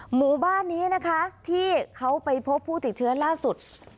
หมู่บ้านนี้นะคะที่เขาไปพบผู้ติดเชื้อล่าสุด